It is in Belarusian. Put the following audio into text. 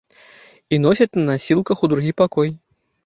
І носяць на насілках у другі пакой.